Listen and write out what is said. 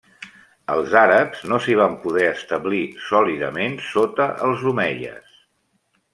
Els àrabs no s'hi van poder establir sòlidament sota els omeies.